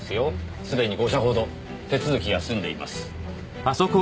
すでに５社ほど手続きが済んでいます。